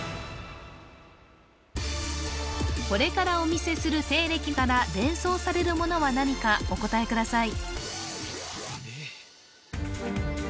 これからお見せする西暦から連想されるものは何かお答えください